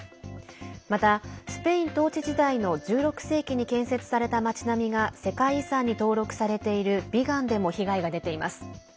また、スペイン統治時代の１６世紀に建設された町並みが世界遺産に登録されているビガンでも被害が出ています。